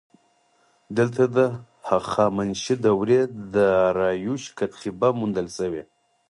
دلته د هخامنشي دورې د داریوش کتیبه موندل شوې